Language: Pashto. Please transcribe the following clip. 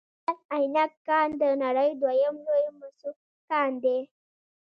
د مس عینک کان د نړۍ دویم لوی د مسو کان دی